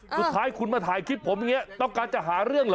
สุดท้ายคุณมาถ่ายคลิปผมอย่างนี้ต้องการจะหาเรื่องเหรอ